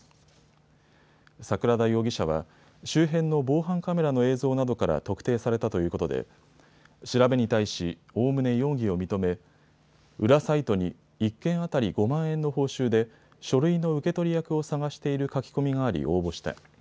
櫻田容疑者は周辺の防犯カメラの映像などから特定されたということで調べに対し、おおむね容疑を認め裏サイトに１件当たり５万円の報酬で書類の受け取り役を探している書き込みがあり応募した。